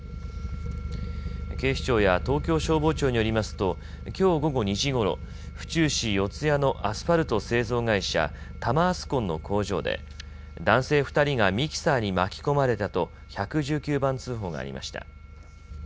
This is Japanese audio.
警視庁や東京消防庁によりますときょう午後２時ごろ、府中市四谷のアスファルト製造会社、多摩アスコンの工場で男性２人がミキサーに巻き込まれたと１１９番通報がありました。